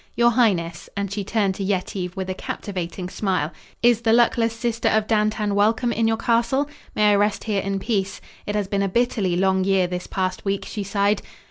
Your highness," and she turned to Yetive with a captivating smile, "is the luckless sister of Dantan welcome in your castle? May I rest here in peace? It has been a bitterly long year, this past week," she sighed.